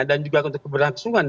dan juga untuk keberlangsungan